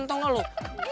tau gak loe